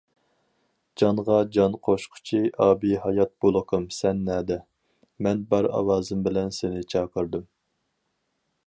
جانغا جان قوشقۇچى ئابىھايات بۇلىقىم، سەن نەدە؟ مەن بار ئاۋازىم بىلەن سېنى چاقىردىم.